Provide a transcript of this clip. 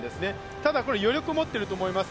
ただ余力を持っていると思います